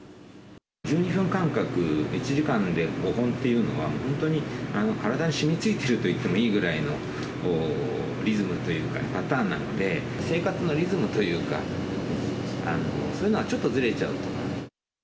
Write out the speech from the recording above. １２分間隔、１時間で５本っていうのは、本当に、体に染みついてると言ってもいいぐらいのリズムというか、パターンなので、生活のリズムというか、そういうのはちょっとずれちゃうのかな。